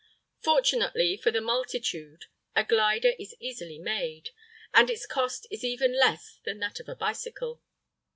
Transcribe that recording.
Fortunately for the multitude, a glider is easily made, and its cost is even less than that of a bicycle.